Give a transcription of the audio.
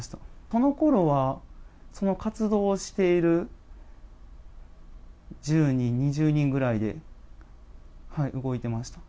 そのころはその活動をしている１０人、２０人ぐらいで動いてました。